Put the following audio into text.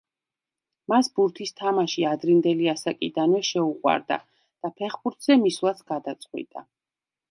მას ბურთის თამაში ადრინდელი ასაკიდანვე შეუყვარდა და ფეხბურთზე მისვლაც გადაწყვიტა.